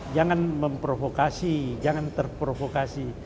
jangan memprovokasi jangan terprovokasi